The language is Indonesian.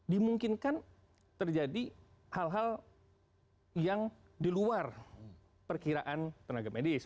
dimungkinkan terjadi hal hal yang di luar perkiraan tenaga medis